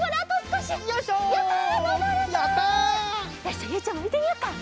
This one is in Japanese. じゃあゆいちゃんもいってみよっか。